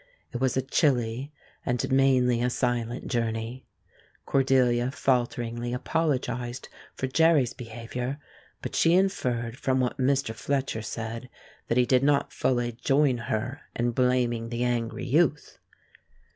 It was a chilly and mainly a silent journey. Cordelia falteringly apologized for Jerry's misbehavior, but she inferred from what Mr. Fletcher said that he did not fully join her in blaming the angry youth.